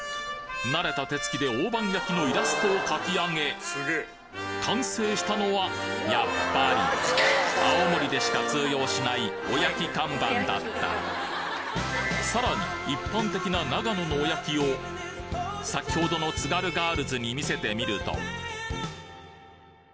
慣れた手つきで大判焼きのイラストを描き上げ完成したのはやっぱり青森でしか通用しないおやき看板だったさらに一般的な長野のおやきをうわぁ！